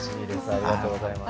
ありがとうございます。